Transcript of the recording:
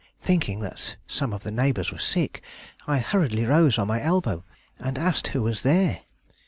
Thinking that some of the neighbors were sick, I hurriedly rose on my elbow and asked who was there.